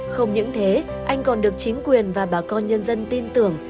không những thế anh còn được chính quyền và bà con nhân dân tin tưởng